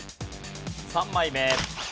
３枚目。